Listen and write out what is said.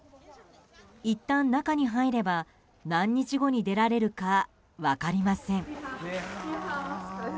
いったん中に入れば何日後に出られるか分かりません。